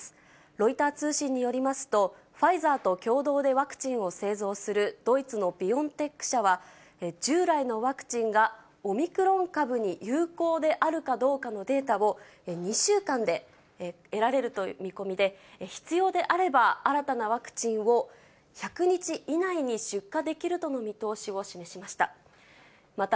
ロイター通信によりますと、ファイザーと共同でワクチンを製造するドイツのビオンテック社は、従来のワクチンがオミクロン株に有効であるかどうかのデータを、２週間で得られるという見込みで、必要であれば、新たなワクチンを１００日以内に出荷できるとの見通しを示しました。